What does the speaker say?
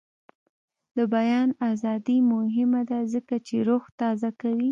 د بیان ازادي مهمه ده ځکه چې روح تازه کوي.